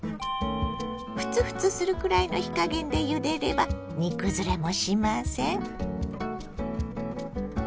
ふつふつするくらいの火加減でゆでれば煮崩れもしません。